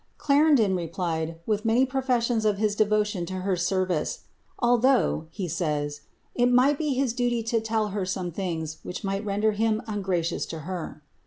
3n replied, with many professions of his devotion to her ser* lOugh," he said, ^^ it might be his duty to tell her some things ht render him ungracious to her."